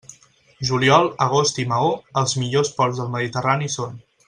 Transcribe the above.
Juliol, agost i Maó, els millors ports del Mediterrani són.